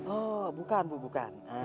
oh bukan bu bukan